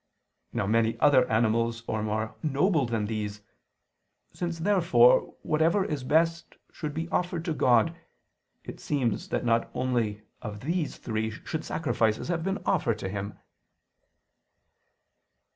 Now many other animals are more noble than these. Since therefore whatever is best should be offered to God, it seems that not only of these three should sacrifices have been offered to Him.